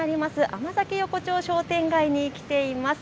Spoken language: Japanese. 甘酒横丁商店街に来ています。